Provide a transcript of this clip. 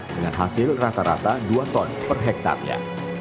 dengan hasil rata rata dua ton per hektarnya